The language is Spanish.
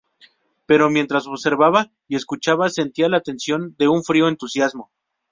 Pero mientras observaba y escuchaba, sentía la tensión de un frío entusiasmo.